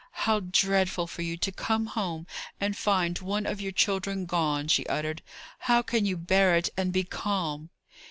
"How dreadful for you to come home and find one of your children gone!" she uttered. "How can you bear it and be calm!"